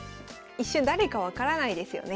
一瞬誰か分からないですよね。